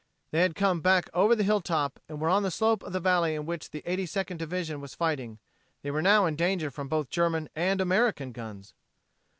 They had come back over the hilltop and were on the slope of the valley in which the Eighty Second Division was fighting. They were now in danger from both German and American guns.